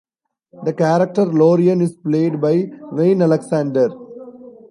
The character Lorien is played by Wayne Alexander.